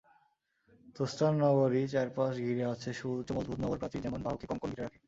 তুসতার নগরী চারপাশ ঘিরে আছে সুউচ্চ মজবুত নগর প্রাচীর যেমন বাহুকে কংকন ঘিরে রাখে।